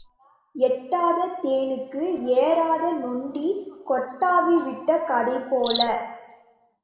எட்டாத தேனுக்கு ஏறாத நொண்டி கொட்டாவி விட்ட கதை போல.